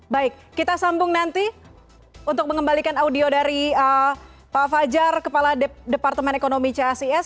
baik kita sambung nanti untuk mengembalikan audio dari pak fajar kepala departemen ekonomi csis